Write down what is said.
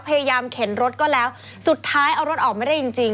เข็นรถก็แล้วสุดท้ายเอารถออกไม่ได้จริงจริง